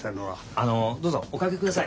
あのどうぞお掛けください。